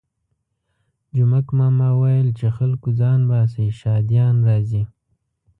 جومک ماما ویل چې خلکو ځان باسئ شهادیان راځي.